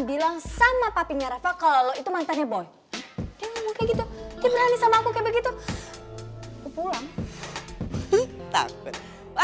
tiada apa apa preating juga